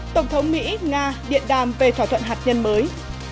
tổng thống mỹ nga điện đàm về thỏa thuận hạt nhân mới